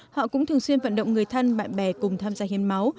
họ cũng thường xuyên vận động người thân bạn bè cùng tham gia hiến máu